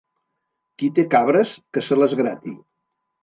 Qui té cabres, que se les grati.